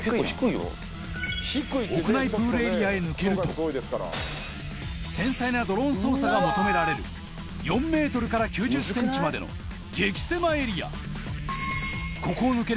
屋内プールエリアへ抜けると繊細なドローン操作が求められる４ｍから９０ｃｍまでの激狭エリア